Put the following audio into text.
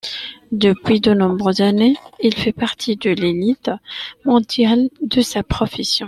Depuis de nombreuses années, il fait partie de l’élite mondiale de sa profession.